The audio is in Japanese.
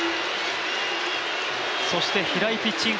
そして平井ピッチング